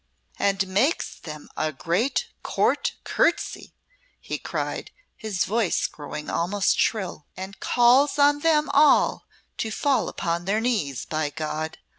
"And makes them a great Court courtesy," he cried, his voice growing almost shrill, "and calls on them all to fall upon their knees, by God!